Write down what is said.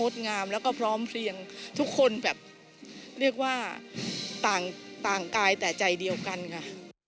ต่างต่างกายแต่ใจเดียวกันค่ะ